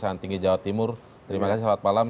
dan selamat malam